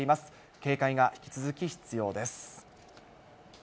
警戒が引き続き必要です。